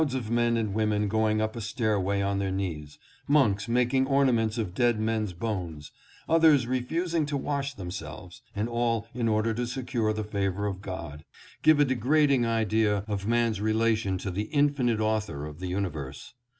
Crowds of men and women going up a stairway on their knees ; monks making ornaments of dead men's bones ; others refusing to wash themselves, — and all in order to secure the favor of God, — give a degrading idea of man's relation to the Infinite Author of the universe.